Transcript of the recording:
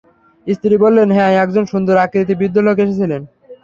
স্ত্রী বললেনঃ হ্যাঁ, একজন সুন্দর আকৃতির বৃদ্ধলোক এসেছিলেন।